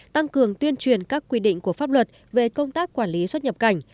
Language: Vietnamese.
tăng cường tuyên truyền các quy định của pháp luật về công tác quản lý xuất nhập cảnh